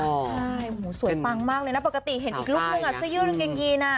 ใช่สวยปังมากเลยนะปกติเห็นอีกลูกมึงอ่ะซื้อยืนเย็นน่ะ